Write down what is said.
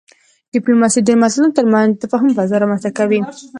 ډيپلوماسي د ملتونو ترمنځ د تفاهم فضا رامنځته کوي.